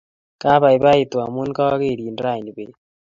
Kapaipaitu amun kakerin raini peet